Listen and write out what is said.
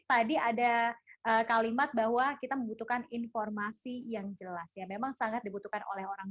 tadi ada kalimat bahwa kita membutuhkan informasi yang jelas ya memang sangat dibutuhkan oleh orang